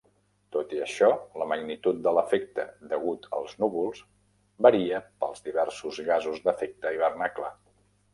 Tot i això, la magnitud de l"efecte degut als núvols varia pels diversos gasos d"efecte hivernacle.